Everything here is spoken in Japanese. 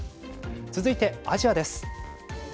続いてアジアです。